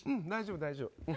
大丈夫、大丈夫。